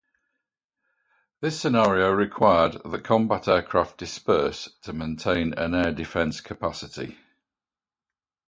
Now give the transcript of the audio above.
This scenario required that combat aircraft disperse to maintain an air defence capacity.